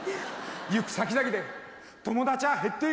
行く先々で友達は減っていくばかりだ。